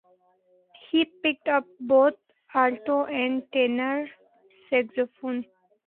He picked up both alto and tenor saxophone.